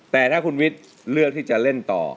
แต่ถ้าคุณวิทย์เลือกที่จะเล่นต่อ